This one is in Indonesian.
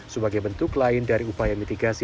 sebagai bentuk lain dari upaya mitigasi